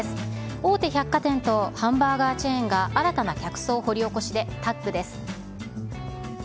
大手百貨店とハンバーガーチェーンが新たな客層掘り起こしでタッグです。